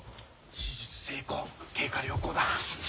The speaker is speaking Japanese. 手術成功経過良好だ。